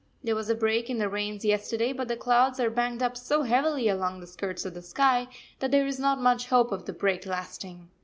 There was a break in the rains yesterday, but the clouds are banked up so heavily along the skirts of the sky that there is not much hope of the break lasting.